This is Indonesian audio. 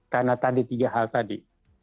karena tadi tiga hal tadi